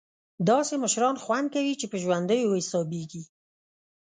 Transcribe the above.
داسې مشران خوند کوي چې په ژوندیو حسابېږي.